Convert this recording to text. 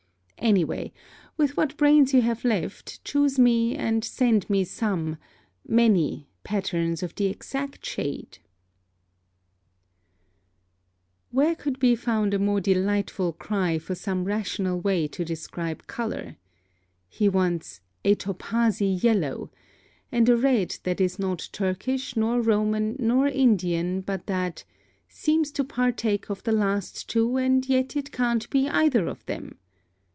Anyway, with what brains you have left choose me and send me some many patterns of the exact shade." [Footnote 1: Vailima Letters, Oct. 8, 1902.] (1) Where could be found a more delightful cry for some rational way to describe color? He wants "a topazy yellow" and a red that is not Turkish nor Roman nor Indian, but that "seems to partake of the last two, and yet it can't be either of them."